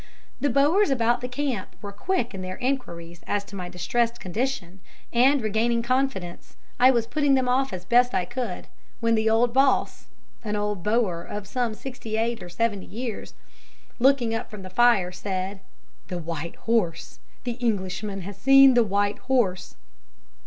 The Boers about the camp were quick in their enquiries as to my distressed condition, and regaining confidence, I was putting them off as best I could, when the old boss (an old Boer of some sixty eight or seventy years), looking up from the fire, said: "'The white horse! The Englishman has seen the white horse.'